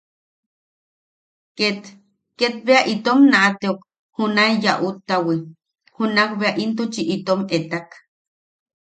Ket... ket bea itom naʼateok junae yaʼuttawi, junak bea intuchi itom etak.